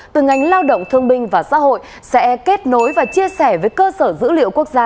từ ngành lao động thương binh và xã hội sẽ kết nối và chia sẻ với cơ sở dữ liệu quốc gia